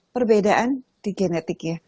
perbedaan di genetiknya